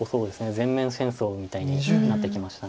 全面戦争みたいになってきました。